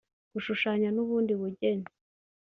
gushushanya n’ubundi bugeni